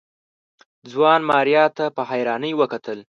ځوان ماريا ته په حيرانۍ وکتل.